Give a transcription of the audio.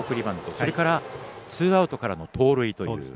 それからツーアウトからの盗塁という。